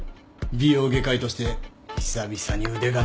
美容外科医として久々に腕が鳴りますよ。